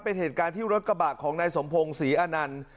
เป็นเหตุการณ์ที่รถกระบะของนายสมพงศ์ศรีอนันต์